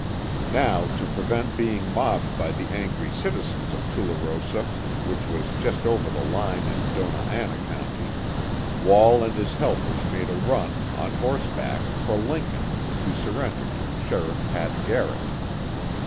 Now, to prevent being mobbed by the angry citizens of Tularosa, which was just over the line in Dona Ana County, Wall and his helpers made a run, on horseback, for Lincoln, to surrender to Sheriff Pat Garrett.